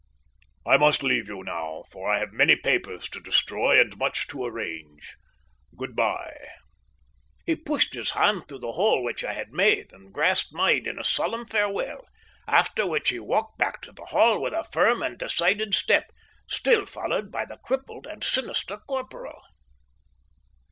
I must leave you now, for I have many papers to destroy and much to arrange. Good bye!" He pushed his hand through the hole which I had made, and grasped mine in a solemn farewell, after which he walked back to the Hall with a firm and decided step, still followed by the crippled and sinister corporal.